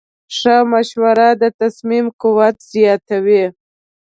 ښه مشوره د تصمیم قوت زیاتوي.